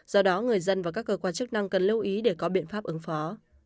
do đó người dân và các cơ quan chức năng cần lưu ý để có biện pháp ứng phó